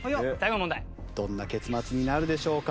どんな結末になるでしょうか？